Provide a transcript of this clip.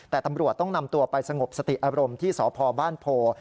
แต่ตำรวจต้องนำตัวไปสงบสติอารมณ์ที่สพบ้านโพ